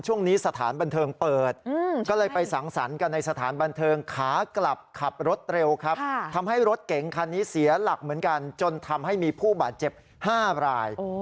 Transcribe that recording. วันนี้มีอาถรรพ์เล็ก๕หรือเปล่า